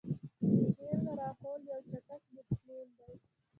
کی ایل راهوله یو چټک بیټسمېن دئ.